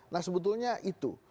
nah sebetulnya itu